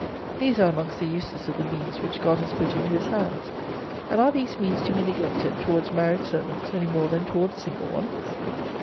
These are amongst the uses of the means which God has put into his hands; and are these means to be neglected towards married servants any more than towards single ones?